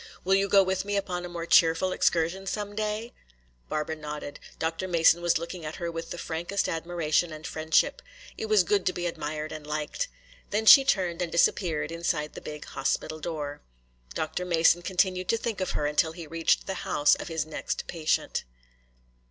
Will you go with me upon a more cheerful excursion some day?" Barbara nodded. Dr. Mason was looking at her with the frankest admiration and friendship. It was good to be admired and liked. Then she turned and disappeared inside the big hospital door. Dr. Mason continued to think of her until he reached the house of his next patient.